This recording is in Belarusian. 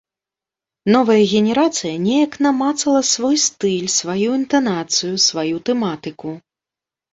Новая генерацыя неяк намацала свой стыль, сваю інтанацыю, сваю тэматыку.